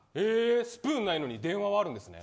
スプーンはないのに電話はあるんですね。